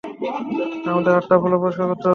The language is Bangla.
আমাদের আটটা ফ্লোর পরিষ্কার করতে হবে!